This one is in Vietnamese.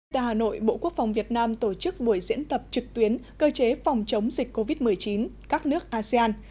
tại hà nội bộ quốc phòng việt nam tổ chức buổi diễn tập trực tuyến cơ chế phòng chống dịch covid một mươi chín các nước asean